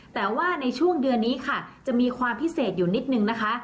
แต่ว่าในช่วงเดือนนี้ค่ะจะมีความพิเศษอยู่นิดนึงนะคะ